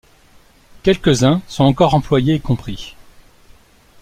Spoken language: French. Quelques-uns sont encore employés et compris.